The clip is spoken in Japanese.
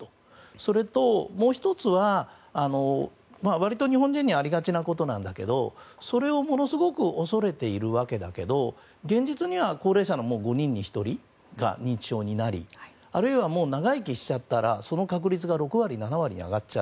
それと、もう１つは割と日本人にありがちなことなんですけどそれをものすごく恐れているわけだけど現実には高齢者の５人に１人が認知症になり、あるいはもう長生きしちゃったらその確率が６割、７割に上がっちゃう。